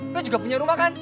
kita juga punya rumah kan